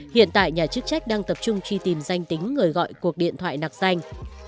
hiện tại nhà chức trách đang tập trung truy tìm danh tính người gọi cuộc điện thoại nạc danh